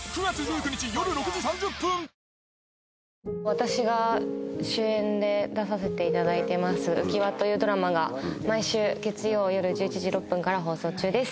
私が主演で出させていただいてます「うきわ」というドラマが毎週月曜夜１１時６分から放送中です。